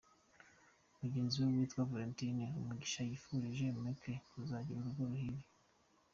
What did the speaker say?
Mugenzi we witwa Valentine Umugisha yifurije Markle kuzagira urugo ruhire.